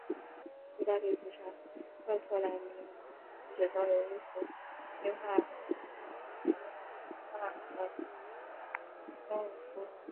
意大利古城赫库兰尼姆遗址中有一幅壁画中画了松乳菇。